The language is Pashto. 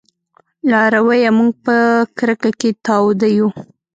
لارويه! موږ په کرکه کې تاوده يو